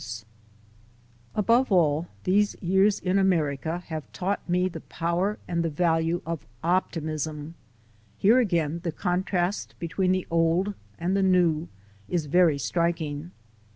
290THE SOUL OF AN IMMIGRANT Above all, these years in America have taught me the power and the value of optimism. Here again the contrast between the old and the new is very striking.